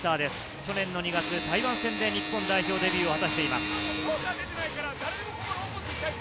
昨年の台湾戦で日本代表デビューを果たしています。